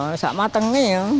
ya sudah matang ini ya